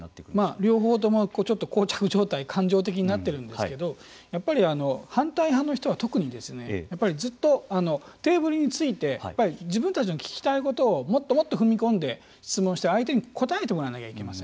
両方ともこう着状態感情的になっているんですけどやっぱり反対派の人は特にずっとテーブルについて自分たちの聞きたいことをもっともっと踏み込んで質問して相手に答えてもらわないといけません。